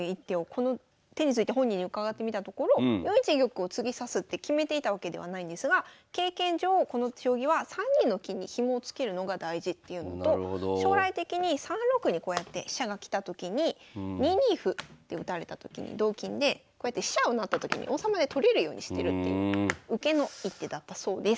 この手について本人に伺ってみたところ４一玉を次指すって決めていたわけではないんですが経験上この将棋は３二の金にヒモをつけるのが大事っていうのと将来的に３六にこうやって飛車が来たときに２二歩って打たれたときに同金でこうやって飛車を成ったときに王様で取れるようにしてるっていう受けの一手だったそうです。